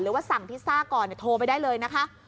หรือว่าสั่งพิซซ่าก่อนโทรไปได้เลยนะคะ